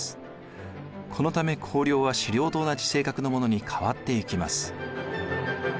このため公領は私領と同じ性格のものに変わっていきます。